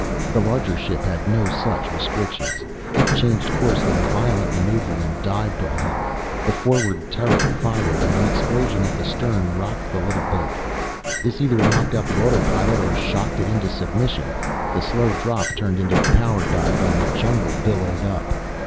The larger ship had no such restrictions. It changed course with a violent maneuver and dived on him. The forward turret fired and an explosion at the stern rocked the little boat. This either knocked out the autopilot or shocked it into submission. The slow drop turned into a power dive and the jungle billowed up.